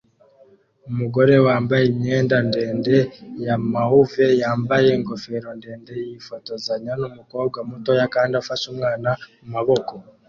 Umugore wambaye imyenda ndende ya mauve yambaye ingofero ndende yifotozanya numukobwa muto kandi afashe umwana mumaboko